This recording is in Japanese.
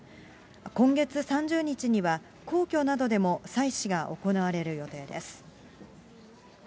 今月３０日には、皇居などでも祭祀が行われる予定です。